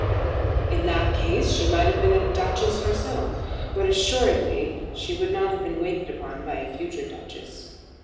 In that case she might have been a duchess herself, but assuredly she would not have been waited upon by a future duchess.